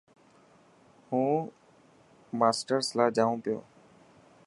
هون ماشرس لاءِ جائون پيو.